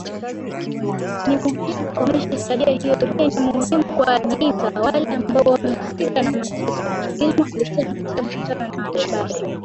Ni muhimu kukomesha tabia hiyo pia ni muhimu kuwaangazia wale ambao wamehusika na mateso, Gilmore alisema katika mkutano na wanahabari